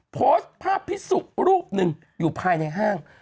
โพสต์ภาพพิสุรูปหนึ่งอยู่ภายในห้าง